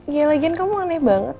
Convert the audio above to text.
ya lagiin kamu aneh banget